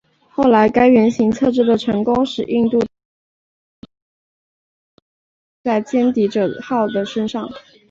后来该原型测试的成功使印度得以进行量产化反应堆以用在歼敌者号的身上。